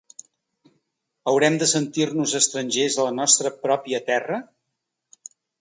Haurem de sentir-nos estrangers a la nostra pròpia terra?